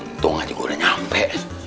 untung aja gue udah nyampe